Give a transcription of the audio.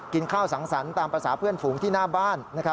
กินข้าวสังสรรค์ตามภาษาเพื่อนฝูงที่หน้าบ้าน